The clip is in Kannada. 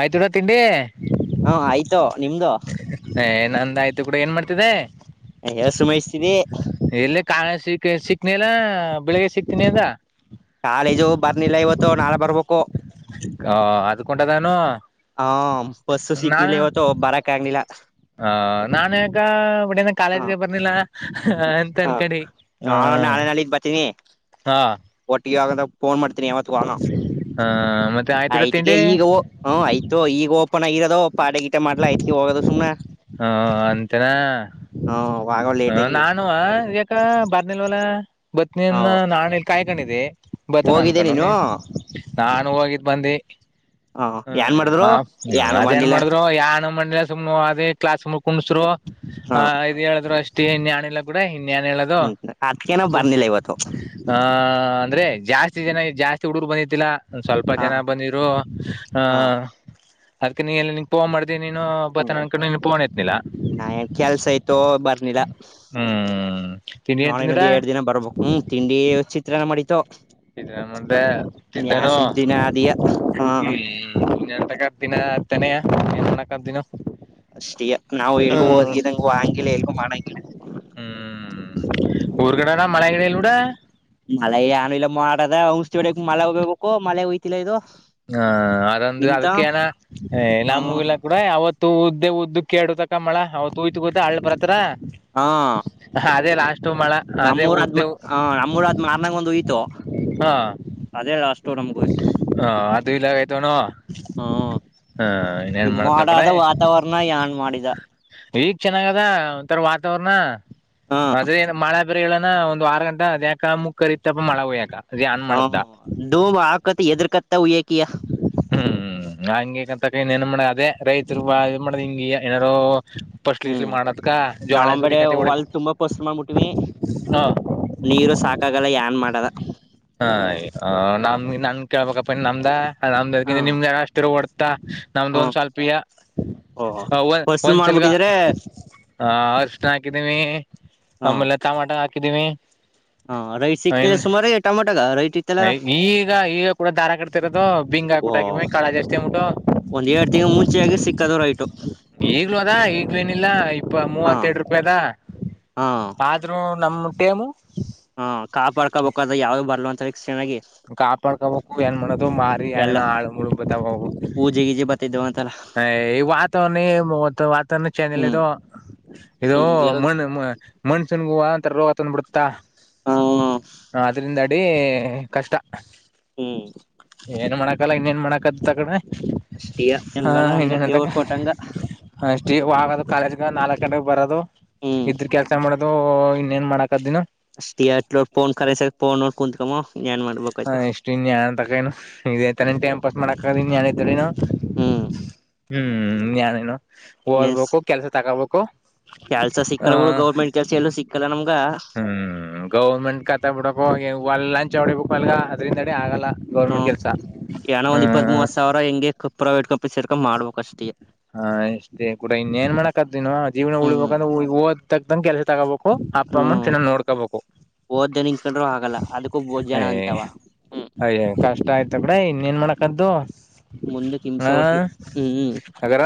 ಆಯ್ತುಡ ತಿಂಡಿ. ಹಾ ಆಯ್ತು ನಿಮ್ದು ನಂದ ಆಯ್ತು ಕೂಡ ಏನ್ ಮಾಡ್ತಿದ್ದಿದೆ. ಎಸು ಮಯಸ್ತೀನಿ. ಯಲ್ಲಿ ಕಾಲೇಜು ಸಿಟ್ ಸಿಗ್ನೇಯಿಲ್ಲ ಬೆಳ್ಳಿ. ಕಾಲೇಜು ಬರ್ನಿಲ್ಲ ಇವತ್ತು ನಾಳೆ ಬರ್ಬೇಕು. [unintelligible] ಹಾ ಬಸ್ ಸಿಕ್ಲಿಲ್ಲ [unintelligible] ಇವತ್ತು ಬಾರಕ ಆಗಿಲ್ಲ ಹ [unintelligible] [unintelligible] ಹ ಕಾಲೇಜ್ಗೆ ಬರ್ನಿಲ್ಲ ಅಂತ ಹ ನಾಳ [unintelligible] ನಾಳೆ ನಾಳಿದ್ದ ಬತೀನಿ. ಹಾ [unintelligible] ಒಟ್ಟಿಗೆ ಆಗದ ಫೋನ್ ಮಾಡ್ತೀನಿ. [unintelligible] ಆ ಮತ್ತೆ ಆಯ್ತು ಕೂಡ [unintelligible] ತಿಂಡಿ ಈಗ ಹ ಆಯ್ತು ಈಗ ಓಪನ್ [unintelligible] ಪಾಠ ಗೀಠ ಮಾಡಲ್ಲ [unintelligible] ಹೋಗೋದ್ ಸುಮ್ಮ್ನ. ಹಾ ಅಂತೇನ ಆಗೋ [unintelligible] ಹ ಲೇಟ್ ಆಗಿ ನಾನು ಯಾಕ ಬರ್ನಿಲ್ವಲ. ಹ ಬತ್ನಿಯನ್ನ ನಾನ್ ಇಲ್ಲಿ ಕಾಯ್ಕೊಂಡಿದಿ. [unintelligible] ಹೋಗಿದ್ದೆ ಅನ್ಕೊಂಡು ನೀನು ನೀ ನಾನು ಹೋಗಿದ್ ಬಂದಿ. ಹ ಏನ್ ಹ್ಮ್ ಮಾಡಿದ್ರು ಹ್ಮ ಏನು [unintelligible] ಅದೇಏನ್ ಮಾಡ್ಲಿಲ್ಲ ಮಾಡಿದ್ರು ಯನು [unintelligible] ಸುಮ್ನೆ ಅದೇ ಕ್ಲಾಸ್ ಮು ಕುಣಸ್ರು ಹ ಆ [unintelligible] ಹೇಳಿದ್ರು ಅಷ್ಟ. [unintelligible] ಇನ್ [unintelligible] ಬಿಡು ಇನ್ ಏನ್ ಹೇಳದು ಹ್ಮ್ ಅದ್ಕೇನ [unintelligible] ಬರ್ನಿಲ್ಲ ಇವತ್ತು ಆ ಅಂದ್ರೆ. ಜಾಸ್ತಿ ಜನ ಜಾಸ್ತಿ ಹುಡುಗರು ಬಂದಿತಿಲ್ಲ ಸ್ವಲ್ಪ ಹ ಜನ ಬಂದಿದ್ರು ಹ [unintelligible] ಅದಕ [unintelligible] ನೀ ಪೋನ್ ಮಾಡಿದ್ ಹ್ಮ್ [unintelligible] ಕೆಲ್ಸ ಇತ್ತು ಬರ್ನಿಲ್ಲ. ಹ್ಮ್ ತಿಂಡಿ ಏನ್ ನಾಳೆ ತಿಂದಿರ ಇನ್ನೊಂದು ಎರಡು ದಿನ ಬರ್ಬೇಕು ಹ್ಮ್ ತಿಂಡಿ ಚಿತ್ರನ್ನ ಮಾಡಿತ್ತು. [unintelligible] ಯಾ ತಿಂಡಾನೋ ಸುಮ್ ದಿನ ಅದಿಯ ಹಾ [unintelligible] [unintelligible] ದಿನಾ ಹತನೆಯ [unintelligible] ದಿನ ಅಷ್ಟ [unintelligible] ಈ ನಾವು ಎಲ್ಗು ಹೋದ್ಗಿದಂಗ ಆಂಗಿಲ್ಲ ಎಲ್ಗೂ ಮಾಡಂಗಿಲ್ಲ. ಹ್ಮ್ ಊರ್ಗಡೆ ಮಳೆಗಡೆ ಎಲ್ಲೂಡ. ಮಳೆ ಏನು [unintelligible] ಮಳೆ [unintelligible] ಮಳೆ ಹೊಯ್ತಿಲ್ಲ ಇದು. ಹಾ ಅದಂದು ನಿಮ್ತ ಅದಕ್ಕ ಏನ [unintelligible] ಹ್ಮ ನಮೂಲ್ಲ ಕೂಡ [unintelligible] ತ ಉದ್ದ ಉದ್ದ ಕೇಳಡತಕ ಮಳ ಅವ [unintelligible] ಗೊತ್ತಾ ಅಳ್ ಬರತ್ರ. ಹಾ ಅದೇ ಲಾಸ್ಟ್ ಮಳ ಅದೇ ನಮ್ಮೂರ ಅದ್ಮ್ಯಾ ಉದ್ದೆವು ಹ ನಮ್ಮೂರದ್ ಮಾರ್ನಂಗ [unintelligible] ಒಂದು ಹೋಯ್ತು. ಹಾ ಅದೇ [unintelligible] ನಮ್ಗೋಯ್ತು [unintelligible] ಆಗೋಯ್ತೇನೋ ಹಾ ಇನ್ನೇನ್ ಈಗ ಮಾಡೋದ್ ಆ ಕಡೆ. ಮಾಡಾದ ವಾತಾವರಣ ಯಾನ್ ಮಾಡಿದ ಈಗ್ ಚೆನ್ನಾಗದ ಒಂಥರ ವಾತಾವರ್ರಣ. ಹ ಆದ್ರೆ [unintelligible] ಮಳೆ ಬೇರೆ ಇಲ್ಲೇನ ಒಂದು ಆರು ಗಂಟೆ ಯಾಕ [unintelligible] ಮುಕ್ಕರಿತ್ತಪ್ಪ ಮಳೆ ಹೋಯಾಕ ಹ [unintelligible] ಹಾಕತ್ ಎದ್ರಕತ್ ಹ್ಮ್ [unintelligible] [unintelligible] ರೈತರು ಬಾಳ ಏನ್ ಮಾಡ್ದ್ ಹಿಂಗೆ ಏನಾರೋ. [unintelligible] ಹ್ಮ್ ಮಾಡಕ್ಕ ನಾವ್ ಜ್ವಾಳ್ಯಸುರಿ ಬಡೆ ಹೊಲ್ [unintelligible] ತುಂಬಾ ಪಸ್ರು ಮಾಡ್ಬಿಟ್ವಿ ಹ ನೀರು ಸಾಕಾಗಲ್ಲ ಏನ್ ಮಾಡದ. ಹ ನಮ ನನ್ ಕೇಳ್ಬೇಕಪ್ಪ ನಮ್ದ ನಮ್ದಕಿ ಹ ನಿಮ್ದಾಗ ಅಷ್ಟ ಇರ ಓಡ್ತಾ. ನಮ್ದು ಹ ಒಂದ್ ಶವಾಲ್ಪಿಯ ಓ [unintelligible] ಫಸ್ಲು ಒಂದ್ ಸಿಲ್ಗ. ಮಾಡ್ಬಿಟ್ಟಿದ್ರೆ ಹ [unintelligible] ಹಾಕಿದೀವಿ ಹ ಆಮೇಲೆ ಟಮಾಟ ಹಾಕಿದೀನಿ ಹ ರೈಟ್ ಸಿಕ್ಕಿದೆ ಸುಮಾರು ಟೊಮೊಟಗ ರೈಟ್ ಇತ್ತಲ್ಲ [unintelligible] ಈಗ ಈಗ ಕೂಡ ದಾರ [unintelligible] [unintelligible] ಕುಟಕ ಓ [unintelligible] ಕಾಳ ಜಾಸ್ತಿ [unintelligible] ಒಂದ್ ಎರಡ್ ತಿಂಗಳ ಮುಂಚೆಯಾಗಿ ಸಿಕ್ಕದು ರೈಟು ಈಗ್ಲೂ ಅದಾ ಈಗ್ಲ ಏನಿಲ್ಲ ಇಪ್ಪ ಹಾ ಮೂವತ್ಎರ್ಡ್ ರೂಪಾಯದ. ಹಾ [unintelligible] ಹ ಕಾಪಾಡ್ಕಬೇಕಾದ್ರ ಯಾವಾಗ [unintelligible] ಕಾಪಾಡ್ಕಬೇಕು ಏನ್ ಮಾಡೋದು ಎಲ್ಲ [unintelligible] ಆಳುಮಳು [unintelligible] ಊಜಿ ಗೀಜಿ ಬತ್ತಿದ್ದವ ಅಂತಲ್ಲ [unintelligible] ಈ ವಾತಾವರಣ ಮೂವತ್ತು ವಾತಾವರಣ ಚೆಂದಲ್ ಹ್ಮ್ ಇದು. ಹ್ಮ್ ಏನೋ [unintelligible] ಹೂ ಅಂತ ರೋಗ ತಂದ್ ಬಿಡುತ್ತಾ ಹ್ಮ್ ಅದ್ರಿಂದ ಅ ಕಷ್ಟಾ ಹ್ಮ್ ಏನ್ ಮಾಡಕಲ್ಲ ಇನ್ನೇನ್ ಮಾಡಕ ತಗಡೆ ಅಷ್ಟೇ ಹ ಹೆಂಗದ ಹಂಗ ಇನ್ನನ ತ ದೇವ್ರ ಕೊಟ್ಟಂಗ ಜೀ ಆದು ಕಾಲೇಜ್ಗ ನಾಲ್ಕಕ್ ಗಂಟೆಗೆ ಬರೋದು ಹ್ಮ್ ಇದ್ರ ಕೆಲ್ಸ ಮಾಡೋದು ಇನ್ನೇನ್ ಮಾಡಕದಿನ ಅಷ್ಟ ಅಟ್ೋಫೋನ್ ಕಖರೆಸಫೋನ್ೋ ಕುತ್ಕಾಮ ಹ ಎಷ್ಟು ಇನ್ಯ ಅಂತಕನು ಇದೇ ತ ಟೈ್ಾಸ್ ಮಾಡಕ ಇನ್ಯಾ ಇದ ಹ್ಮ್ ಹ್ಮ್ ನಾನೇನು ಇನ್ನೇನ್ ಓದ್ಬೇಕು ಕೆಲ್ಸ ತಗೋಬೇಕು ಕೆಲ್ಸ ಆ ಸಿಕ್ಕಲ್ಡು ಗೌರ್ಮೆಂಟ್ ಕೆಲ್ಸ ಎಲ್ಲೂ ಸಿಕ್ಕಲ್ಲ ನಮ್ಗ ಹ್ಮ್ ಗೌರ್ಮೆಂಟ್ ಕತ್ತ ಬಿಡಕ ಒ ಲಂಚ್ ಹೊಡಿಬೇಕುಕ್ ಅಲ್ಗ ಅದ್ರಿಂದ ಅಡಿ ಆಗಲ್ಲ ಗೌರ್ಮೆಂಟ್ ಹ್ಮ್ ಕೆಲ್ಸ ಏನೋ ಒಂದ್ ಇಪ್ಪತ್ ಹ್ಮ ಮೂವತ್ ಸಾವಿರ ಹೆಂಗೆ ಪ್ರೈವೇಟ್ ಕಂಪನಿ ಸೇರ್ಕ ಮಾಡ್ಬೇಕಕ್ಷ್ಟ ಹಾ ಅಷ್ಟೇ ಕೂಡ ಇನ್ನೇಏನ್ ಮಾಡಾಕದನು ಜೀವನ ಹ್ಮ್ ಉಳಳ್ಬೇಕಂದ್ರೆಓದ್ ತಗ್ದಂದ ಕೆಲಸ ತಗೋಬಬೇಕು ಅಪ್ಪ ಅಮ್ಮನ ಹ್ಮ್ ಚೆನ್ನಾಗ್ ನೋಡ್ಕೋಬೇಕು ಓದ್ ಜನ ಇಸ್ಕೊಂಡ್ರು ಆಗಲ್ಲ ಅದಕ್ಕೂ ಬೋದ್ ಜನ ಯ್ ಅಂತಾವ ಹ್ಮ್ ಅಯ್ ಕಷ್ಟ ಆಯ್ತ ಕಡೆ ಇನ್ನೇಏನ್ ಮಾಡ ಕ್ದ ಮುಂದೆಕ್ಕೆ ಹಿಮಸ ಒಟ್ಲಿ ಹ್ಮ್್ಮ ಹಾಗರ